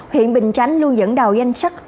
huyện bình chánh luôn dẫn đầu danh sách